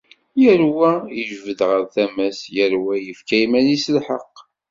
Yal wa ijebbed ɣer tama-s, yal wa yefka i yiman-is lḥeqq.